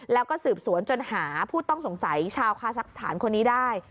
แล้วก็สืบสวนจนหาผู้ต้องสงสัยชาวคาซักสถานคนนี้ได้